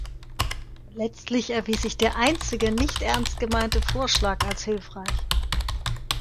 Letztlich erwies sich der einzige nicht ernst gemeinte Vorschlag als hilfreich.